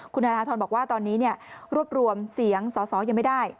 คุณธนทรบอกว่าตอนนี้รวบรวมเสียงสอสอยังไม่ได้